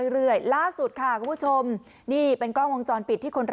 เรื่อยล่าสุดค่ะคุณผู้ชมนี่เป็นกล้องวงจรปิดที่คนร้าย